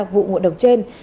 vụ ngộ độc trên